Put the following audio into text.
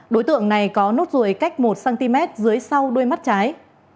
đối tượng này có nốt ruồi cách một cm dưới sau đuôi mắt trái